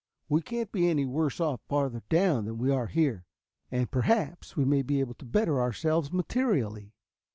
We can't be any worse off farther down than we are here, and perhaps we may be able to better ourselves materially."